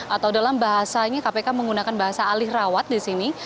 atau dalam bahasanya kpk menggunakan bahasa alih rawat di sini